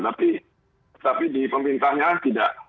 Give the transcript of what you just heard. tapi di pemerintahnya tidak